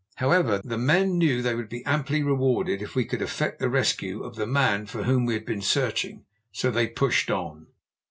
However, the men knew they would be amply rewarded if we could effect the rescue of the man for whom we had been searching, so they pushed on.